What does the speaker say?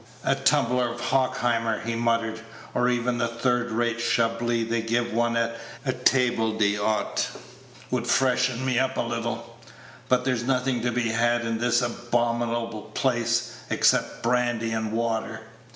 "A tumbler of Hockheimer," he muttered, "or even the third rate Chablis they give one at a table d'hôte, would freshen me up a little; but there's nothing to be had in this abominable place except brandy and water."